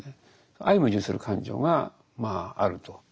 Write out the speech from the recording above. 相矛盾する感情がまああると。